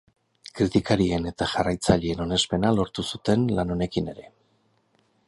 Kritikarien eta jarraitzaileen onespena lortu zuten lan honekin ere.